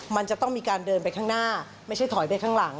มันจะต้องมีการเดินไปข้างหน้าไม่ใช่ถอยไปข้างหลัง